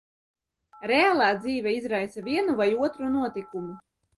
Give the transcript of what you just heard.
Reālā dzīve izraisa vienu vai otru notikumu.